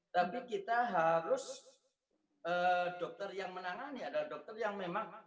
tapi kita harus dokter yang menangani adalah dokter yang memang